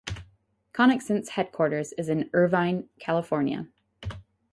Conexant's headquarters is in Irvine, California.